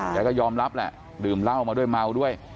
แกก็ยอมรับแหละดื่มเหล้ามาด้วยเมาด้วย